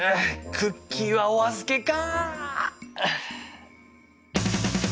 クッキーはお預けか！